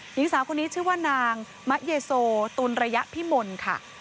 หญิงสาวคนนี้ชื่อว่านางมะเยโซตุลระยะพิมลค่ะ